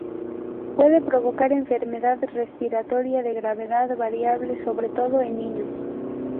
Puede provocar enfermedad respiratoria de gravedad variable, sobre todo en niños.